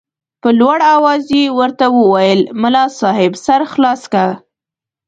په لوړ اواز یې ورته وویل ملا صاحب سر خلاص که.